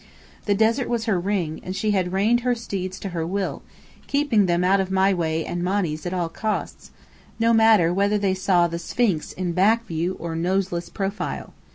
The desert was her ring, and she had reined her steeds to her will, keeping them out of my way and Monny's at all costs, no matter whether they saw the Sphinx in back view or noseless profile.